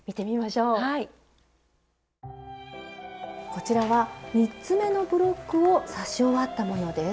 こちらは３つ目のブロックを刺し終わったものです。